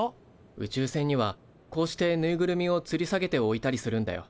宇宙船にはこうしてぬいぐるみをつり下げておいたりするんだよ。